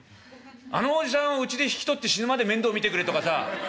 あのおじさんをうちで引き取って死ぬまで面倒見てくれとかさ